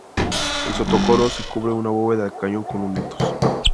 El sotocoro se cubre con bóveda de cañón con lunetos.